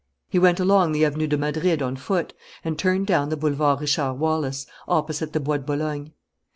He went along the Avenue de Madrid on foot and turned down the Boulevard Richard Wallace, opposite the Bois de Boulogne.